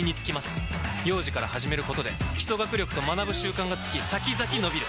幼児から始めることで基礎学力と学ぶ習慣がつき先々のびる！